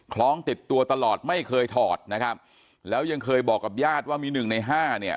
ล้องติดตัวตลอดไม่เคยถอดนะครับแล้วยังเคยบอกกับญาติว่ามีหนึ่งในห้าเนี่ย